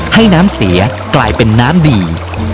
ให้น้ำเสียกลายเป็นน้ำดี